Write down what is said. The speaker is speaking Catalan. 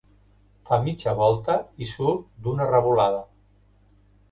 Fa mitja volta i surt d'una revolada.